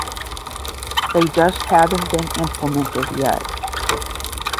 they just haven't been implemented yet